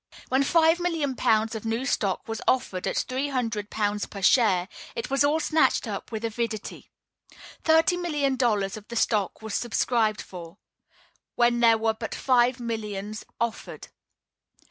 When five million pounds of new stock was offered at three hundred pounds per share, it was all snatched up with avidity. Thirty million dollars of the stock was subscribed for, when there were but five millions offered.